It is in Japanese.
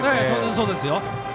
当然そうですよ。